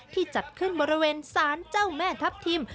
จัดขึ้นบริเวณศาลเจ้าแม่ทัพทิม